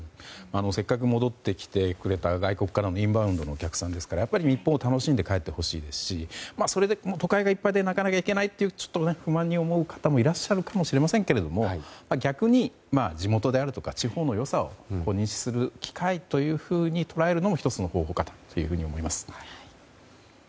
せっかく戻ってきてくれた外国からのインバウンドのお客さんですからやっぱり日本を楽しんで帰ってほしいですしそれで、都会がいっぱいでなかなか行けないと不満に思う方もいらっしゃるかもしれませんけれども逆に、地元であるとか地方の良さを認識する機会と捉えるのも１つの方法かと思います。